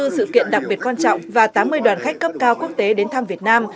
một trăm năm mươi bốn sự kiện đặc biệt quan trọng và tám mươi đoàn khách cấp cao quốc tế đến thăm việt nam